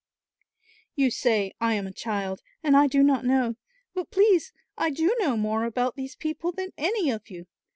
"You say I am a child and I do not know; but, please, I do know more about these people than any of you.